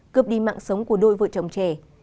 cướp đi mạng sống của đôi vợ chồng trẻ